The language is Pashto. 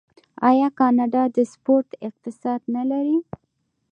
آیا کاناډا د سپورت اقتصاد نلري؟